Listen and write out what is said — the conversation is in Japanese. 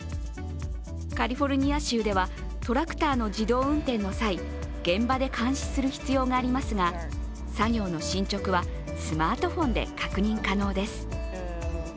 カリフォルニア州では、トラクターの自動運転の際、現場で監視する必要がありますが、作業の進捗はスマートフォンで確認可能です。